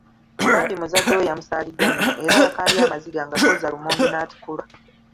Bambi muzadde we yamusaaliddwa nnyo era yakaabye amaziga nga gooza lumonde n’atukula.